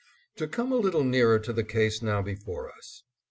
To come a little nearer to the case now before us.